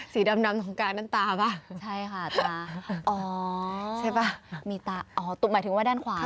สีดำของการนั่นตาเปล่า